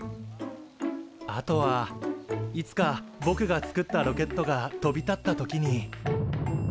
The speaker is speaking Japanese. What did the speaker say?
あとはいつかぼくが作ったロケットが飛び立った時に。